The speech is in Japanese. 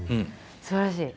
すばらしい。